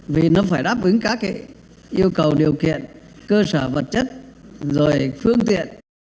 vì nó phải đáp ứng các yêu cầu điều kiện cơ sở vật chất rồi phương tiện